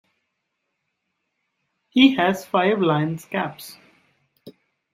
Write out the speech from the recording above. He has five Lions caps.